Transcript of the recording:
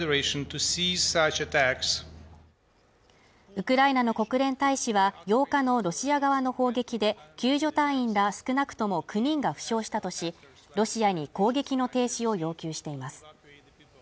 ウクライナの国連大使は８日のロシア側の砲撃で救助隊員が少なくとも９人が負傷したとし、ロシア側に攻撃の停止を要求しています。